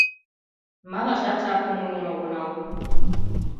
Малашат жапым муын огынал.